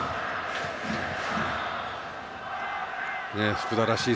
福田らしい